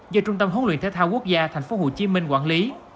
do trung tâm hỗn luyện thế thao quốc gia tp hcm quản lý